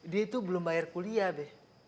dia tuh belum bayar kuliah be